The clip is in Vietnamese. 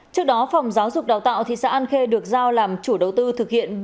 trước đó phòng giáo dục đào tạo thị xã an khê được giao làm chủ đầu tư thực hiện